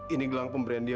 ini gelang pemberian dia